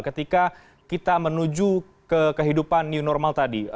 ketika kita menuju ke kehidupan new normal tadi